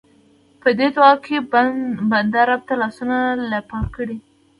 په دې دعا کې بنده رب ته لاسونه لپه کړي.